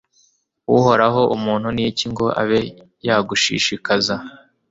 Uhoraho umuntu ni iki ngo abe yagushishikaza